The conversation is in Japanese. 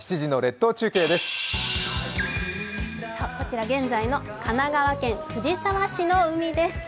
こちら現在の神奈川県藤沢市の海です。